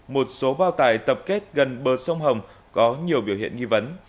một số bao tải tập kết gần bờ sông hồng có nhiều biểu hiện nghi vấn